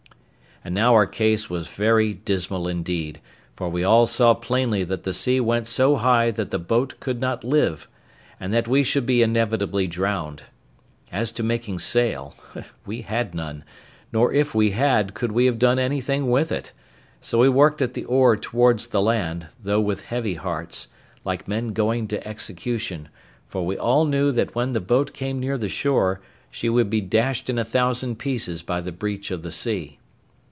And now our case was very dismal indeed; for we all saw plainly that the sea went so high that the boat could not live, and that we should be inevitably drowned. As to making sail, we had none, nor if we had could we have done anything with it; so we worked at the oar towards the land, though with heavy hearts, like men going to execution; for we all knew that when the boat came near the shore she would be dashed in a thousand pieces by the breach of the sea.